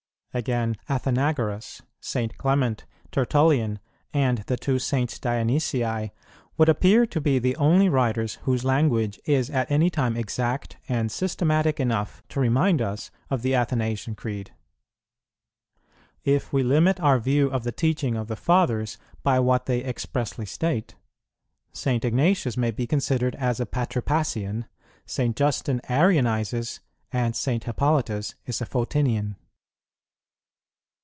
Again, Athenagoras, St. Clement, Tertullian, and the two SS. Dionysii would appear to be the only writers whose language is at any time exact and systematic enough to remind us of the Athanasian Creed. If we limit our view of the teaching of the Fathers by what they expressly state, St. Ignatius may be considered as a Patripassian, St. Justin arianizes, and St. Hippolytus is a Photinian.